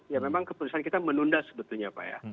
ya memang keputusan kita menunda sebetulnya pak ya